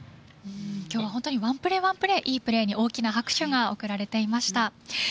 今日は本当に１プレー１プレー良いプレーに大きな拍手が送られていました。